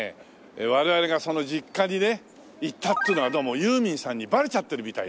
我々がその実家にね行ったっていうのがどうもユーミンさんにバレちゃってるみたいで。